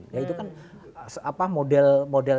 ya itu kan model model